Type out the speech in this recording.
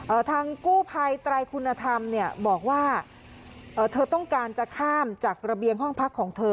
ทางกู้ภัยไตรคุณธรรมเนี่ยบอกว่าเอ่อเธอต้องการจะข้ามจากระเบียงห้องพักของเธอ